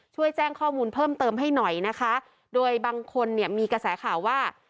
ช่วยแจ้งข้อมูลเพิ่มเติมให้หน่อยนะคะโดยบางคนเนี่ยมีกระแสข่าวว่า